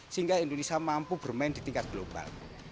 sehingga indonesia mampu bermain di tingkat global